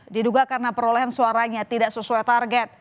diduga karena perolehan suaranya tidak sesuai target